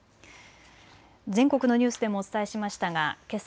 全国のニュースでもお伝えしましましたがけさ